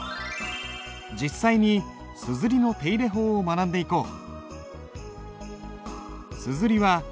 実際に硯の手入れ法を学んでいこう。